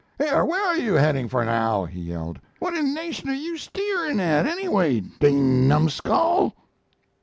"Here, where are you heading for now?" he yelled. "What in nation are you steerin' at, anyway? Deyned numskull!"